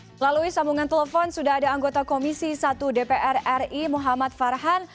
melalui sambungan telepon sudah ada anggota komisi satu dpr ri muhammad farhan